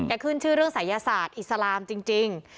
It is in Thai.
ขึ้นชื่อเรื่องศัยศาสตร์อิสลามจริง